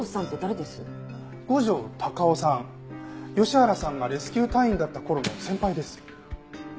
吉原さんがレスキュー隊員だった頃の先輩です。